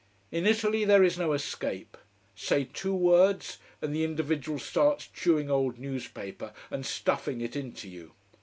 In Italy, there is no escape. Say two words, and the individual starts chewing old newspaper and stuffing it into you.